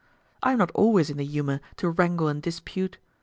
I am not always in the humour to wrangle and dispute.